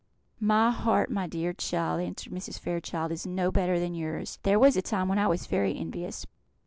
"My heart, my dear child," answered Mrs. Fairchild, "is no better than yours. There was a time when I was very envious.